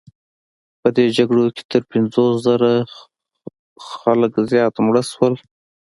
په دې جګړو کې تر پنځوس زره خلکو زیات مړه شول.